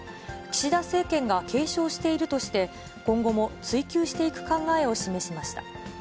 岸田政権が継承しているとして、今後も追及していく考えを示しました。